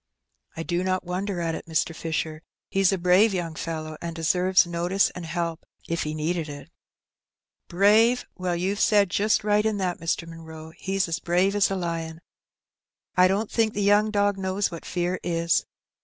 "I do not wonder at it, Mr. Fisher; he's a brave young fellow, and deserves notice and help — ^if he needed it." " Brave ! Well, youVe said just right in that, Mr. Munroe ; he's as brave as a lion. I don't think the young dog knows what fear is.